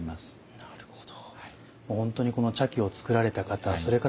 なるほど。